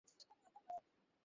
এবং, ইমহোটেপের তরে!